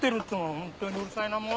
本当にうるさいなもう！